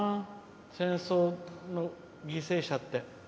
戦争の犠牲者って。